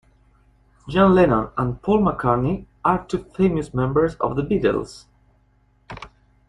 John Lennon and Paul McCartney are two famous members of the Beatles.